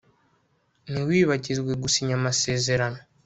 Ntiwibagirwe gusinya amasezerano